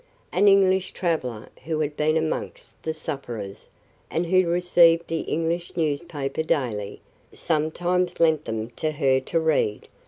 An English traveller, who had been amongst the sufferers, and who received the English newspaper daily, sometimes lent them to her to read.